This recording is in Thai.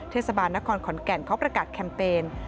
เทศบาลนครขอนแก่นเขาประกาศแคมเปญ